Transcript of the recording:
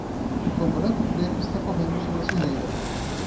Um cão branco e preto está correndo sobre a sujeira.